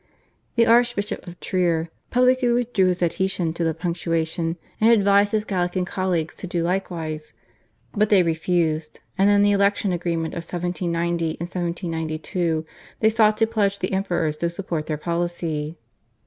The Archbishop of Trier publicly withdrew his adhesion to the /Punctuation/, and advised his Gallican colleagues to do likewise, but they refused, and in the election agreement of 1790 and 1792 they sought to pledge the emperors to support their policy.